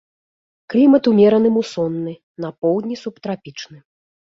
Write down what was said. Клімат умераны мусонны, на поўдні субтрапічны.